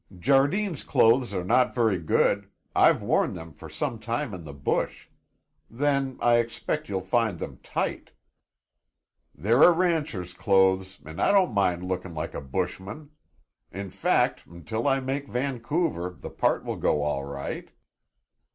"Jardine's clothes are not very good; I've worn them for some time in the bush. Then I expect you'll find them tight." "They're a rancher's clothes and I don't mind looking like a bushman. In fact, until I make Vancouver, the part will go all right."